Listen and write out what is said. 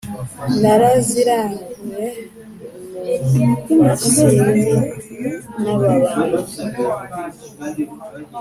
naraziraguye mu basindi n'ababanda